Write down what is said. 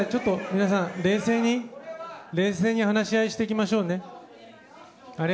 皆さん、冷静に話し合いしていきましょうね。